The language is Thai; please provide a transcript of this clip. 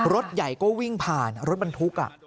รถใหญ่ก็วิ่งผ่านรถมันทุกอ่ะ